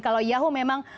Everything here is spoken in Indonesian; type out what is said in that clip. kalau yahoo memang